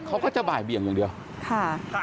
เขาก็จะบ่ายเบี่ยงอย่างเดียวค่ะ